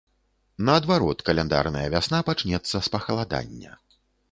Наадварот, каляндарная вясна пачнецца з пахаладання.